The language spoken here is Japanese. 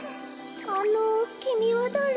あのきみはだれ？